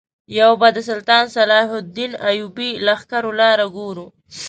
یو به د سلطان صلاح الدین ایوبي لښکرو لاره ګورو.